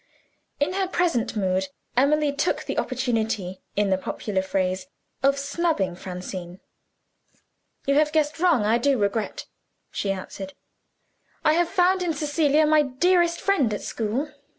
In her present mood, Emily took the opportunity (in the popular phrase) of snubbing Francine. "You have guessed wrong; I do regret," she answered. "I have found in Cecilia my dearest friend at school.